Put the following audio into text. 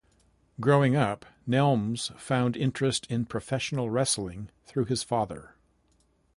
Growing up Nelms found interest in professional wrestling through his father.